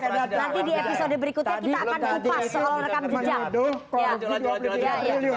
nanti di episode berikutnya kita akan kupas soal rekam jejak